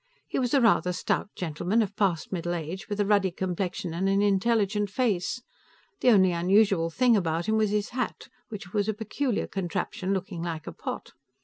He was a rather stout gentleman, of past middle age, with a ruddy complexion and an intelligent face. The only unusual thing about him was his hat, which was a peculiar contraption, looking like a pot.